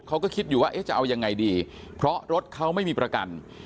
เขาก็คิดอยู่ว่าเอ๊ะจะเอายังไงดีเพราะรถเขาไม่มีประกัน